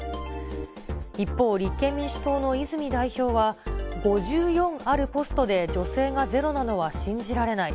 一方、立憲民主党の泉代表は、５４あるポストで女性がゼロなのは信じられない。